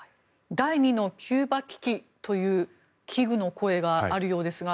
第２のキューバ危機という危惧の声があるようですが